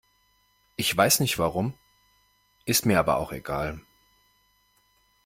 Ich weiß nicht warum, ist mir aber auch egal.